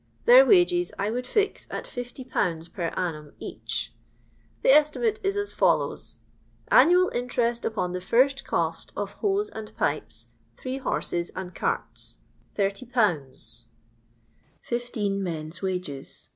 Vheir wages I would fix at 50/. per annum each. The estimate is as follows :— "Annual interest upon the first cost of hose and pipes, three horses and £ carts 80 Fifteen men's wages